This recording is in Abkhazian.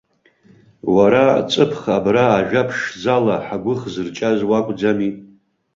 Уара, ҵыԥх абра ажәа ԥшӡала ҳгәы хзырҷаз уакәӡами?